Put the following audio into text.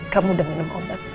kamu sudah minum obat